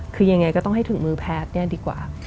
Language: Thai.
คือยังไงก็ต้องให้ถึงมือแพทย์เนี่ยดีกว่า